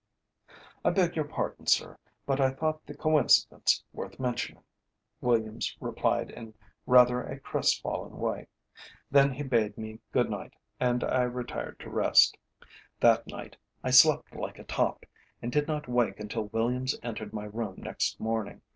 "I beg your pardon, sir, but I thought the coincidence worth mentioning," Williams replied in rather a crestfallen way. Then he bade me good night and I retired to rest. That night I slept like a top, and did not wake until Williams entered my room next morning.